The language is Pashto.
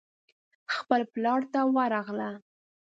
خپل پلار ته ورغله.